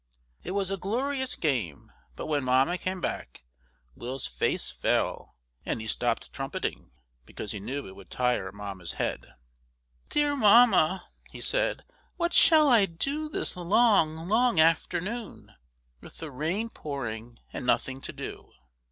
It was a glorious game; but when Mamma came back, Will's face fell, and he stopped trumpeting, because he knew it would tire Mamma's head. "Dear Mamma!" he said, "what shall I do this long, long afternoon, with the rain pouring and nothing to do?"